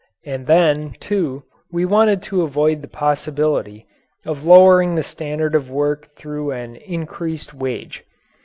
And then, too, we wanted to avoid the possibility of lowering the standard of work through an increased wage.